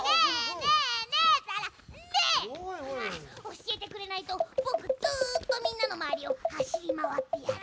おしえてくれないとぼくずっとみんなのまわりをはしりまわってやる。